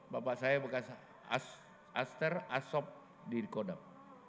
bapak saya bekas aster asop di kodam